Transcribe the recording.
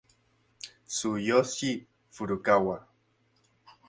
Tsuyoshi Furukawa